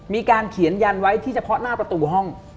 มีการเขียนยันไว้ที่เฉพาะหน้าประตูห้อง